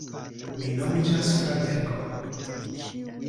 Mi nomiĝas Fradeko.